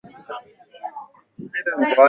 Gari lake liliharibika njiani